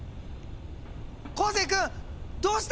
昴生君どうしたんや！？